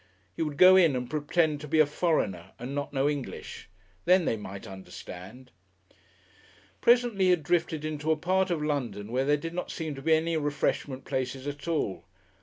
He would go in and pretend to be a foreigner and not know English. Then they might understand.... Presently he had drifted into a part of London where there did not seem to be any refreshment places at all.